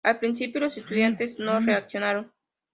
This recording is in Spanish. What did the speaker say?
Al principio, los estudiantes no reaccionaron.